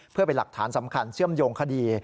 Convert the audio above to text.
เพื่อเป็นหลักฐานสำคัญเชื่อมโยงคดี